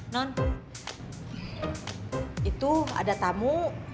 non itu ada tamu